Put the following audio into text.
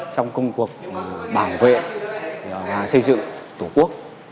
trong công cuộc bảo vệ và xây dựng tổ quốc